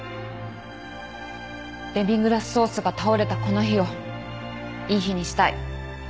デミグラスソースが倒れたこの日をいい日にしたい。